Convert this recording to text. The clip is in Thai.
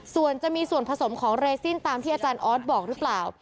ส่วนจะมีส่วนผสมของเรซินตามที่อาจารย์ออสบอกหรือเปล่า